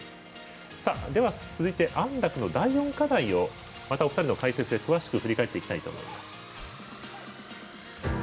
では続いて安楽の第４課題をまたお二人の解説で詳しく振り返っていきたいと思います。